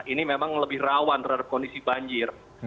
ini memang lebih rawan terhadap kondisi banjir